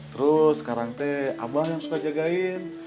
terus sekarang teh abah yang suka jagain